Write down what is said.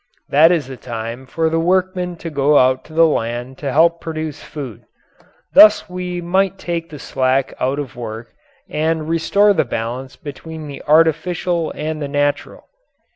That is the time for the workmen to go out to the land to help produce food. Thus we might take the slack out of work and restore the balance between the artificial and the natural.